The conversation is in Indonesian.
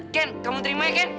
ken kamu terima ya ken